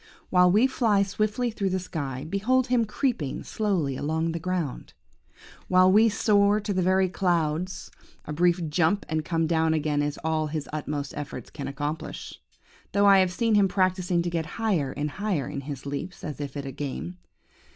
While we fly swiftly through the sky, behold him creeping slowly along the ground. While we soar to the very clouds, a brief jump and come down again is all his utmost efforts can accomplish, though I have seen him practising to get higher and higher, in his leaps, as if at a game.